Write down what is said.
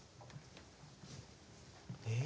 え？